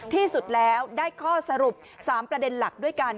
ที่สุดแล้วได้ข้อสรุป๓ประเด็นหลักด้วยกัน